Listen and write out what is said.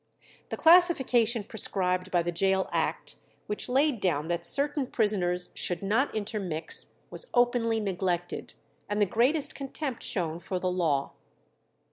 The classification prescribed by the Gaol Act, which laid down that certain prisoners should not intermix, was openly neglected, and "the greatest contempt shown for the law."